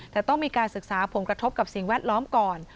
แต่ต้องมีการศึกษาผลกระทบกับสิ่งแวดล้อมก่อน